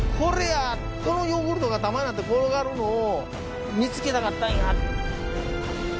このヨーグルトが玉になって転がるのを見つけたかったんや！